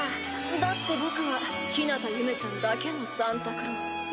だって僕は日向ゆめちゃんだけのサンタクロース。